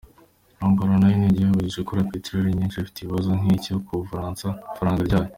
Angola nayo nk’igihugu gicukura peteroli nyinshi, ifite ikibazo nk’icyo ku ifaranga ryayo.